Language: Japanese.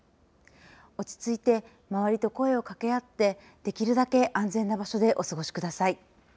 落ち着いて周りと声をかけ合ってできるだけ安全な場所でお過ごしください。